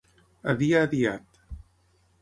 A dia adiat.